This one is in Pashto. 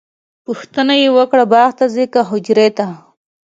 پوښتنه یې وکړه باغ ته ځئ که حجرې ته؟